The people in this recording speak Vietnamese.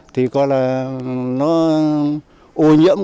thì nó ô nhiễm